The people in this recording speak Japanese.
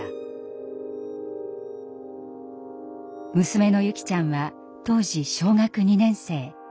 娘の優希ちゃんは当時小学２年生。